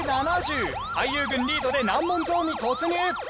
俳優軍リードで難問ゾーンに突入！